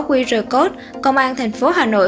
qr code công an thành phố hà nội